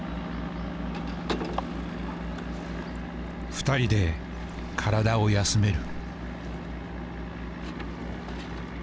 ２人で体を休める。